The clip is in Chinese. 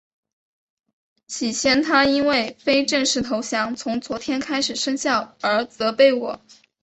起先他因为非正式投降从昨天开始生效而责备我。